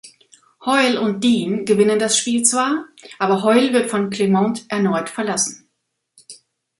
Hoyle und Deane gewinnen das Spiel zwar, aber Hoyle wird von Clemente erneut verlassen.